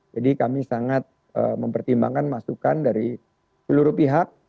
jadi kami sangat mempertimbangkan masukan dari seluruh pihak